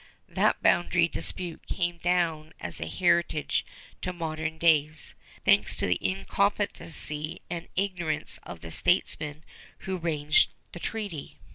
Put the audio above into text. That boundary dispute came down as a heritage to modern days thanks to the incompetency and ignorance of the statesmen who arranged the treaty.